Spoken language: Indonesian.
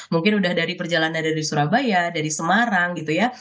mungkin udah dari perjalanan dari surabaya dari semarang gitu ya